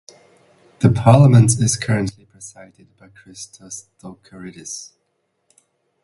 The Parliament is currently presided by Christos Doulkeridis.